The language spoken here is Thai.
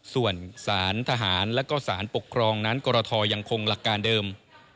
ส่วนสารทหารและก็สารปกครองนั้นกรทยังคงหลักการเดิม